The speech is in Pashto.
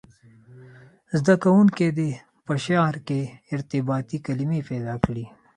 زده کوونکي دې په شعر کې ارتباطي کلمي پیدا کړي.